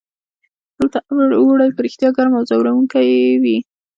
دلته اوړي په رښتیا ګرم او ځوروونکي وي.